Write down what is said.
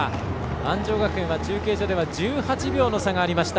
安城学園は中継所では１８秒の差がありました。